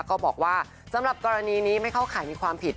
ก็บอกว่าสำหรับกรณีนี้ไม่เข้าข่ายมีความผิด